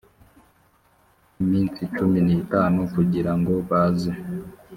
iminsi cumi n itanu kugira ngo baze